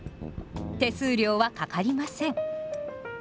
手数料はかかりません。